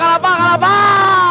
kalapak kalapak kalapak